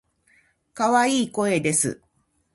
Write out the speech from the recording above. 可愛い声です。